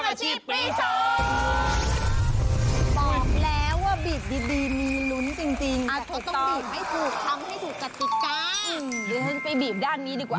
เดี๋ยวเราไปบีบด้านนี้ดีกว่า